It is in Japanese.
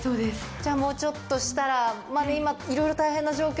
じゃあもうちょっとしたらいろいろ。